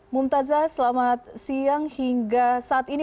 mumtazah selamat siang hingga saat ini